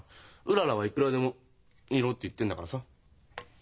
うららは「いくらでもいろ」って言ってんだからさ。